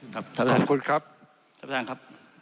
ขอบคุณครับ